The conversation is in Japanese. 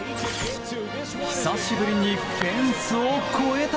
久しぶりにフェンスを越えた！